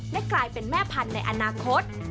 และกลายเป็นแม่พันธุ์ในอนาคต